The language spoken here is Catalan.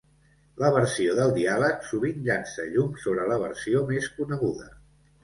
La versió del diàleg, sovint llança llum sobre la versió més coneguda.